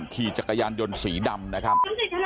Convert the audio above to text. ขี่จักรยานยนต์สีดำนะครับ